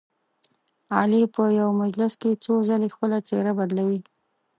علي په یوه مجلس کې څو ځلې خپله څهره بدلوي.